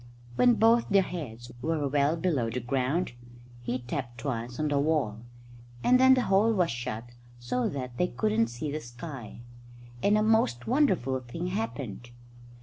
When both their heads were well below the ground, he tapped twice on the wall; and then the hole was shut so that they couldn't see the sky, and a most wonderful thing happened.